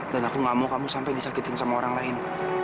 dan aku gak mau kamu sampai disakitin sama orang lain